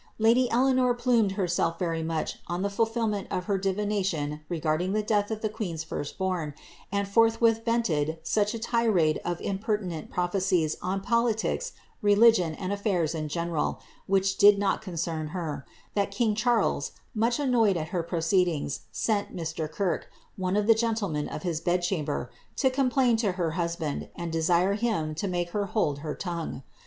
Lady Eleanor phimed herKlf very much on the fulfilment of her divination regarding the death of the queen^s first born, and forthwith vented such a tirade of imperti nent prophecies on politics, religion, and af&irs in general, which did not concern her, that king Charles, much annoyed at her proceedings, wnt Mr. Kirke, one of tlie gentlemen of his bed chamber, to complain to her husband, and desire him to make her hold her tongue.